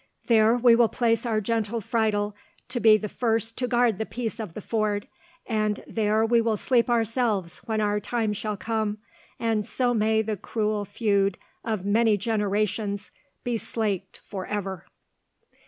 There will we place our gentle Friedel to be the first to guard the peace of the ford, and there will we sleep ourselves when our time shall come, and so may the cruel feud of many generations be slaked for ever."